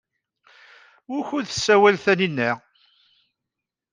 Wukud tessawal Taninna?